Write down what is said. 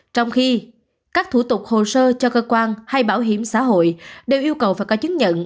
trong khi các thủ tục hồ sơ cho cơ quan hay bảo hiểm xã hội đều yêu cầu phải có chứng nhận